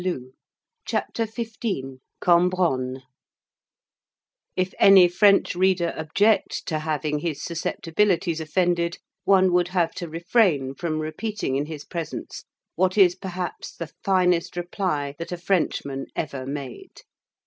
} CHAPTER XV—CAMBRONNE If any French reader object to having his susceptibilities offended, one would have to refrain from repeating in his presence what is perhaps the finest reply that a Frenchman ever made.